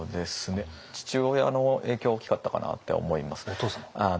父親の影響は大きかったかなって思います。